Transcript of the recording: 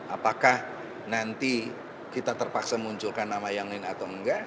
apakah nanti kita terpaksa munculkan nama yang lain atau enggak